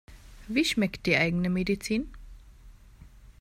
Wie schmeckt die eigene Medizin?